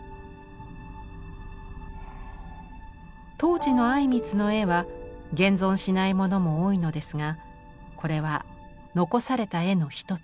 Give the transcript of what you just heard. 当時の靉光の絵は現存しないものも多いのですがこれは残された絵の一つ。